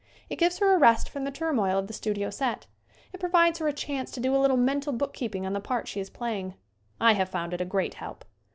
It gives her a rest from the turmoil of the studio set. It provides her a chance to do a little mental bookkeeping on the part she is playing. I have found it a great help.